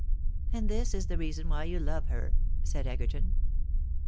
" And this is the reason why you love her," said Egerton.